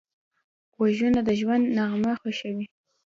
غوږونه د ژوند نغمه خوښوي